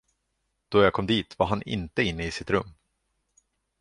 Då jag kom dit var han inte inne i sitt rum.